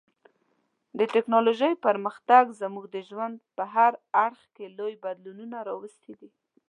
د ټکنالوژۍ پرمختګ زموږ د ژوند په هر اړخ کې لوی بدلونونه راوستي دي.